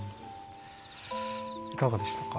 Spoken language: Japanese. いかがでしたか？